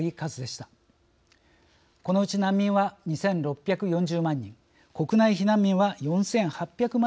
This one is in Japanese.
このうち難民は２，６４０万人国内避難民は４，８００万